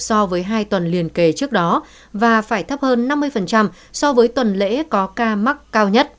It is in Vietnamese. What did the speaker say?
so với hai tuần liền kề trước đó và phải thấp hơn năm mươi so với tuần lễ có ca mắc cao nhất